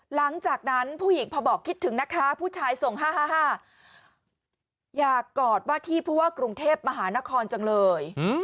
หลังจากนั้นผู้หญิงพอบอกคิดถึงนะคะผู้ชายส่ง๕๕อยากกอดว่าที่ผู้ว่ากรุงเทพมหานครจังเลย